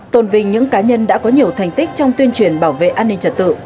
tôn vinh những cá nhân đã có nhiều thành tích trong tuyên truyền bảo vệ an ninh trật tự